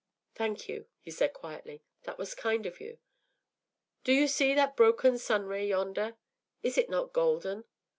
“Thank you,” he said quietly; “that was kind of you. Do you see that broken sun ray yonder? Is it not golden?